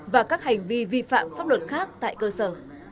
và các hành vi vi phạm pháp luật khác tại cơ sở